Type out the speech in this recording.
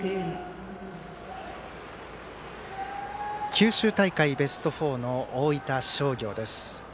九州大会ベスト４の大分商業です。